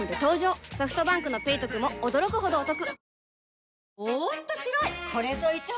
ソフトバンクの「ペイトク」も驚くほどおトク